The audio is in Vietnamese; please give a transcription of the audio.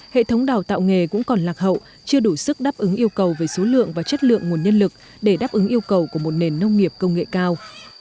hệ thống đào tạo nghề cũng còn lạc hậu chưa đủ sức đáp ứng yêu cầu về số lượng và chất lượng nguồn nhân lực để đáp ứng yêu cầu của một nền nông nghiệp công nghệ cao